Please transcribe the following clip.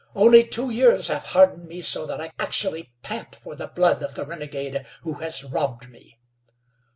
Only two years have hardened me so that I actually pant for the blood of the renegade who has robbed me.